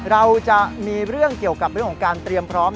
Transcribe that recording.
เราจะมีเรื่องเกี่ยวกับเรื่องของการเตรียมพร้อม